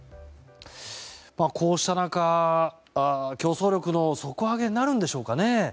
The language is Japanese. こうした中、競争力の底上げになるんでしょうかね。